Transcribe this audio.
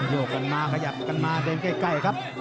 ย่อก่อนมาขยับกันมาเจอใกล้ครับ